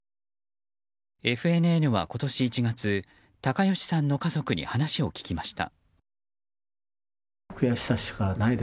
ＦＮＮは今年１月高吉さんの家族に話を聞きました。